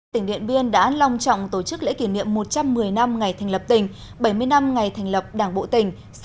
tỉnh điện biên đã long trọng tổ chức lễ kỷ niệm một trăm một mươi năm ngày thành lập tỉnh bảy mươi năm ngày thành lập đảng bộ tỉnh